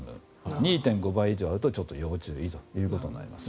２．５倍以上とちょっと要注意ということになりますね。